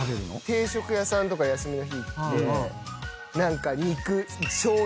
定食屋さんとか休みの日行って何か肉。